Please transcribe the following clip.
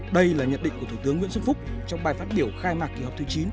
đây là nhận định của thủ tướng nguyễn xuân phúc trong bài phát biểu khai mạc kỳ họp thứ chín